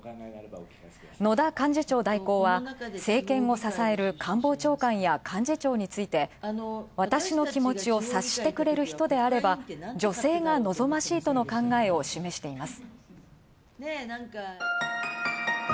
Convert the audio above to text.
野田幹事長代行は政権を支える官房長官や幹事長について、私の気持ちを察してくれる人であれば、女性が望ましいとの考えを示しています。